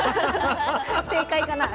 正解かな？